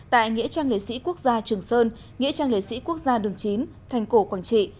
tại nghĩa trang liệt sĩ quốc gia trường sơn nghĩa trang liệt sĩ quốc gia đường chín thành cổ quảng trị